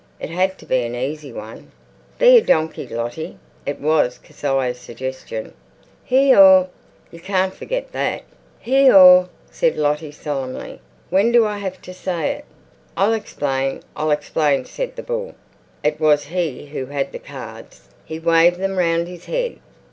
It had to be an easy one. "Be a donkey, Lottie." It was Kezia's suggestion. "Hee haw! You can't forget that." "Hee haw!" said Lottie solemnly. "When do I have to say it?" "I'll explain, I'll explain," said the bull. It was he who had the cards. He waved them round his head.